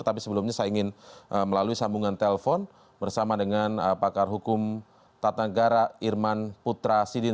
tapi sebelumnya saya ingin melalui sambungan telpon bersama dengan pakar hukum tata negara irman putra sidin